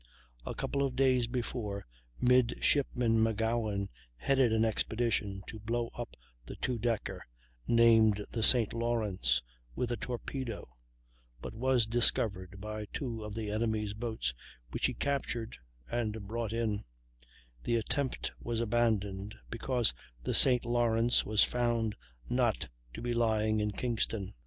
A couple of days before, Midshipman McGowan headed an expedition to blow up the two decker (named the St. Lawrence) with a torpedo, but was discovered by two of the enemy's boats, which he captured and brought in; the attempt was abandoned, because the St. Lawrence was found not to be lying in Kingston.